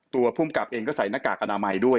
ตัวผู้กำกับเองก็ใส่หน้ากากอนามัยด้วย